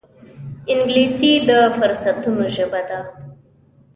انګلیسي د فرصتونو ژبه ده